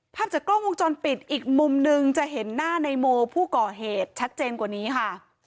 ภาพจากกล้องวงจรปิดอีกมุมหนึ่งจะเห็นหน้าในโมผู้ก่อเหตุชัดเจนกว่านี้ค่ะ